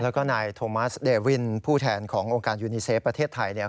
แล้วก็นายโทมัสเดวินผู้แทนขององค์การยูนีเซฟประเทศไทยเนี่ย